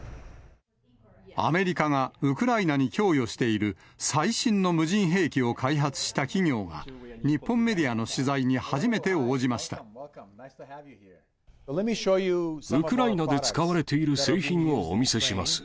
アメリカがウクライナに供与している最新の無人兵器を開発した企業が、日本メディアの取材にウクライナで使われている製品をお見せします。